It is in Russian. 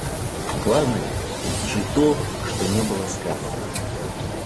Главное — услышать то, что не было сказано.